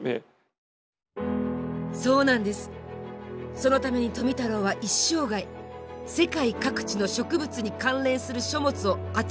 そのために富太郎は一生涯世界各地の植物に関連する書物を集め続けたんです。